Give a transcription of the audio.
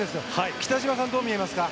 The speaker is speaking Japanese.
北島さん、どう見えますか？